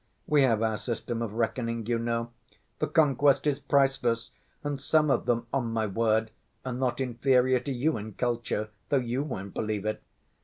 We have our system of reckoning, you know. The conquest is priceless! And some of them, on my word, are not inferior to you in culture, though you won't believe it.